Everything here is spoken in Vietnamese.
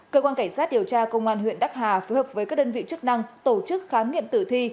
cơ quan cảnh sát điều tra công an huyện đắc hà phối hợp với các đơn vị chức năng tổ chức khám nghiệm tử thi